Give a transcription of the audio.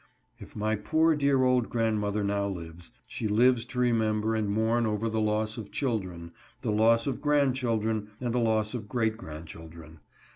If my poor, dear old grand mother now lives, she lives to remember and mourn over the loss of children, the loss of grandchildren and the loss of great grandchildren.